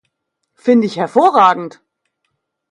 Finde ich hervorragend!